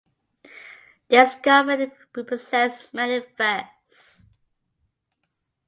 This government represents many firsts.